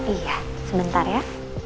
iya sebentar ya